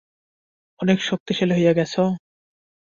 অনেক শক্তিশালী হয়ে গেছো।